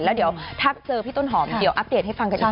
แล้วเดี๋ยวถ้าเจอพี่ต้นหอมเดี๋ยวอัปเดตให้ฟังกันอีกที